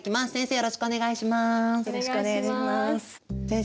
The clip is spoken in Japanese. よろしくお願いします。